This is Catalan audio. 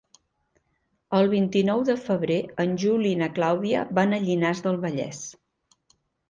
El vint-i-nou de febrer en Juli i na Clàudia van a Llinars del Vallès.